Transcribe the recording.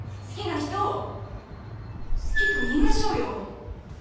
好きな人を好きと言いましょうよ。